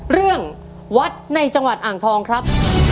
เรื่องวัดในจังหวัดอ่างทองครับ